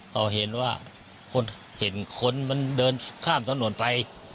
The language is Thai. เราเห็นว่าคนเห็นคนมันเดินข้ามถนนไป